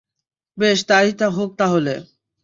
বেশ, তাই হোক তাহলে!